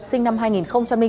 sinh năm hai nghìn bốn